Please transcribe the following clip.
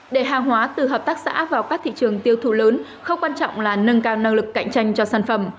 để hàng hóa từ hợp tác xã vào các thị trường tiêu thụ lớn không quan trọng là nâng cao năng lực cạnh tranh cho sản phẩm